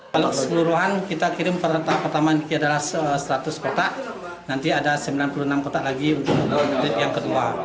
kalau seluruhan kita kirim pertama adalah seratus kotak nanti ada sembilan puluh enam kotak lagi untuk yang kedua